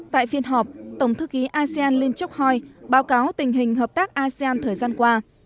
tại phiên họp tổng thư ký asean linh chok hoi báo cáo tình hình hợp tác asean thời gian qua